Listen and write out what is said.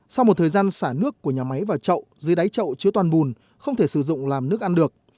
sau một thời gian xả nước của nhà máy và chậu dưới đáy trậu chứa toàn bùn không thể sử dụng làm nước ăn được